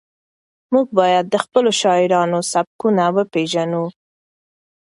موږ باید د خپلو شاعرانو سبکونه وپېژنو.